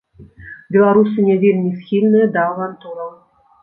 Беларусы не вельмі схільныя да авантураў.